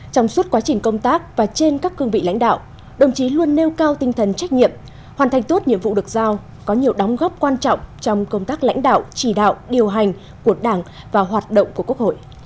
trong suốt quá trình công tác và trên các cương vị lãnh đạo đồng chí luôn nêu cao tinh thần trách nhiệm hoàn thành tốt nhiệm vụ được giao có nhiều đóng góp quan trọng trong công tác lãnh đạo chỉ đạo điều hành của đảng và hoạt động của quốc hội